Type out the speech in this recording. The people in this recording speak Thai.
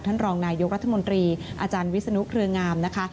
รองนายกรัฐมนตรีอาจารย์วิศนุเครืองามนะคะ